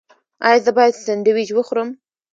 ایا زه باید سنډویچ وخورم؟